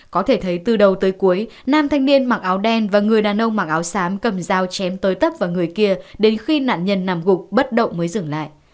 có thể thấy từ đầu tới cuối nam thanh niên mặc áo đen và người đàn ông mặc áo sám cầm dao chém tới tấp vào người kia đến khi nạn nhân nằm gục bất động mới dừng lại